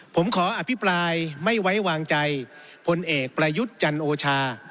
ผมขออภิปรายไม่ไว้วางใจพลเอกประยุทธ์จันโอชา